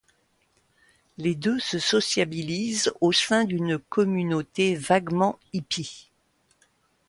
Les deux se sociabilisent au sein d'une communauté vaguement hippie.